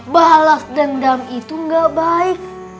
balas dendam itu gak baik